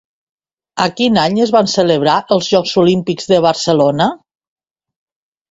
A quin any es van celebrar els Jocs Olímpics de Barcelona?